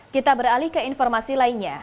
kita beralih ke informasi lainnya